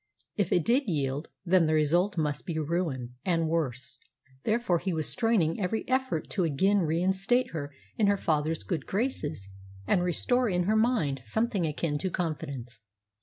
If it did yield, then the result must be ruin and worse. Therefore, he was straining every effort to again reinstate her in her father's good graces and restore in her mind something akin to confidence.